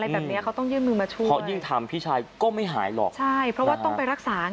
แบบนี้เรื่อยไม่ได้